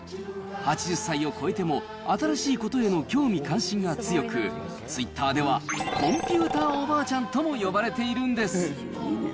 ８０歳を超えても、新しいことへの興味関心が強く、ツイッターでは、コンピューターおばあちゃんとも呼ばれているんです。